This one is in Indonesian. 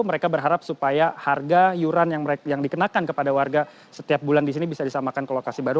mereka berharap supaya harga iuran yang dikenakan kepada warga setiap bulan di sini bisa disamakan ke lokasi baru